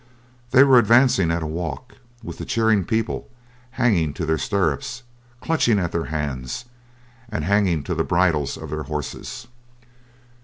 They were advancing at a walk, with the cheering people hanging to their stirrups, clutching at their hands and hanging to the bridles of their horses.